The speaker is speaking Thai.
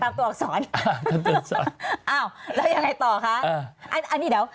ตัวอักษรอ่าตัวอักษรอ้าวแล้วยังไงต่อคะอ่าอันนี้เดี๋ยว